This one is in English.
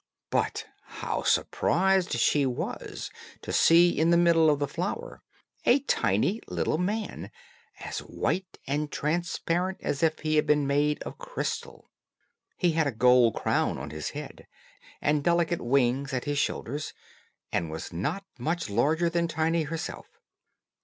But how surprised she was to see in the middle of the flower, a tiny little man, as white and transparent as if he had been made of crystal! He had a gold crown on his head, and delicate wings at his shoulders, and was not much larger than Tiny herself.